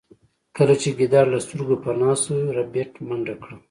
کله چې ګیدړ له سترګو پناه شو ربیټ منډه کړه